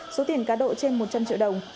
số tiền cá độ trên một trăm linh triệu đồng